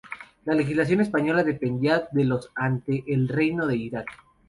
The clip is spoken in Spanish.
La legación española dependía de los ante el Reino de Iraq.